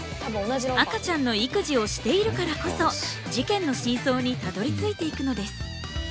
赤ちゃんの育児をしているからこそ事件の真相にたどりついていくのです。